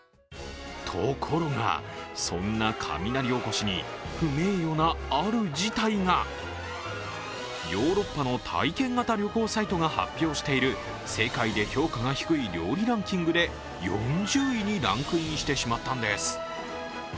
ところが、そんな雷おこしに不名誉なある事態がヨーロッパの体験型旅行サイトが発表している世界で評価が低い料理ランキングで４０位にランクインしてしまったんです。